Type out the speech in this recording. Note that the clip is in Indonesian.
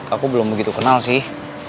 aku belum begitu kenal sih